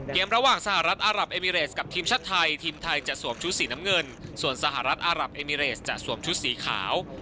ระหว่างสหรัฐอารับเอมิเรสกับทีมชาติไทยทีมไทยจะสวมชุดสีน้ำเงินส่วนสหรัฐอารับเอมิเรสจะสวมชุดสีขาว